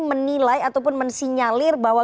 menilai ataupun mensinyalir bahwa